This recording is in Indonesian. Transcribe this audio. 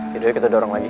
yaudah kita dorong lagi